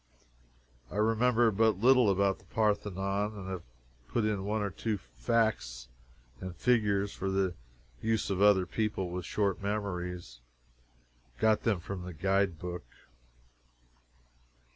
I remember but little about the Parthenon, and I have put in one or two facts and figures for the use of other people with short memories. Got them from the guide book.